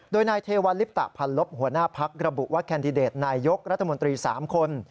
โดยนายเทวัลลิปตะพันลบหัวหน้าพักระบุว่าแคนดิเดตนายกรัฐมนตรี๓คน